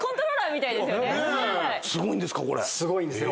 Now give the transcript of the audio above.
すごいんですよ。